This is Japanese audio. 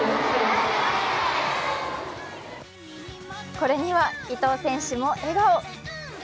これには伊藤選手も笑顔。